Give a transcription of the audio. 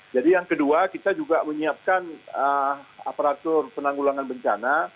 jadi yang kedua kita juga menyiapkan aparatur penanggulangan bencana